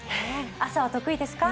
朝は得意ですか？